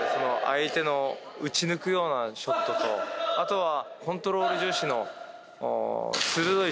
あとは。